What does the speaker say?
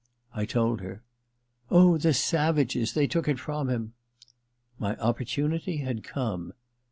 I told her. * Oh, the savages : They took it from him ' My opportunity had come.